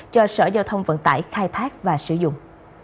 cho sở giao thông vận tải khai thác và sử dụng